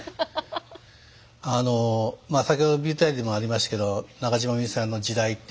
あのまあ先ほどＶＴＲにもありましたけど中島みゆきさんの「時代」っていう。